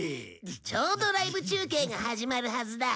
ちょうどライブ中継が始まるはずだ。